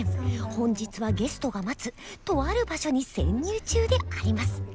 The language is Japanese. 本日はゲストが待つとある場所に潜入中であります。